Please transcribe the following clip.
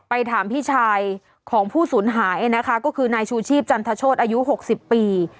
ไปถามพี่ชายของผู้ศูนย์หายเนี่ยนะคะก็คือนายชูชีพจันทชโธอายุ๖๐ปี